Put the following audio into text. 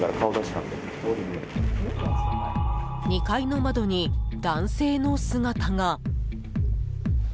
２階の窓に男性の姿が。